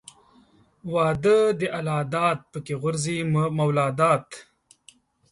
واده د الله داد پکښې غورځي مولاداد.